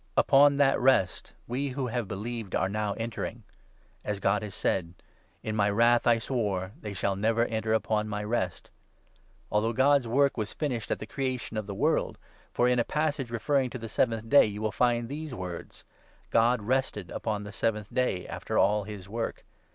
Upon that Rest we who have believed are now entering. As God has said —' In my wrath I swore — "They shall never enter upon my Rest ;"' Although God's work was finished at the creation of the world ; for, in a passage referring to the seventh day, you will find these words —' God rested upon the seventh day after all his work.'